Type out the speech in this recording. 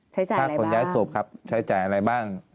ใช้จ่ายอะไรบ้างใช้จ่ายอะไรบ้าง